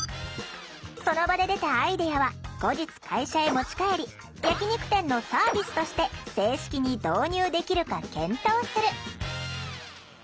その場で出たアイデアは後日会社へ持ち帰り焼き肉店のサービスとして正式に導入できるか検討する。